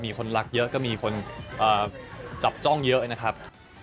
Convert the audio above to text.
มีคนรักเยอะก็มีคนจับจ้องเยอะนะครับ